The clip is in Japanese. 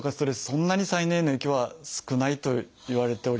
そんなに再燃への影響は少ないといわれております。